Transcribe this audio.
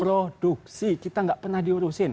produksi kita nggak pernah diurusin